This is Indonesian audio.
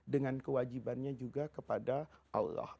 dengan kewajibannya juga kepada allah